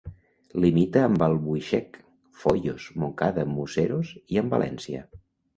Limita amb Albuixec, Foios, Montcada, Museros i amb València.